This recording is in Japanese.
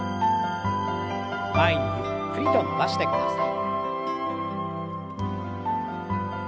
前にゆっくりと伸ばしてください。